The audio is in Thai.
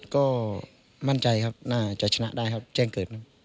ก็มั่นใจครับน่าจะชนะได้ครับแจ้งเกิด